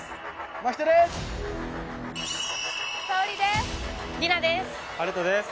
真人です。